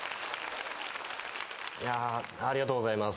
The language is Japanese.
ありがとうございます。